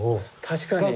確かに。